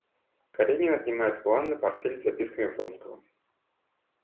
Каренин отнимает у Анны портфель с записками Вронского.